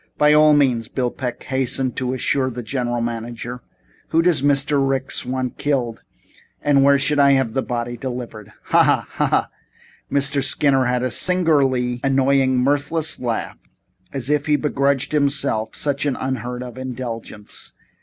"By all means," Bill Peck hastened to assure the general manager. "Who does Mr. Ricks want killed and where will he have the body delivered?" "Hah hah! Hah Hah!" Mr. Skinner had a singularly annoying, mirthless laugh, as if he begrudged himself such an unheard of indulgence.